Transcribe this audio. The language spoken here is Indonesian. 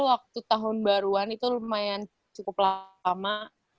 waktu tahun baruan itu lumayan cukup lama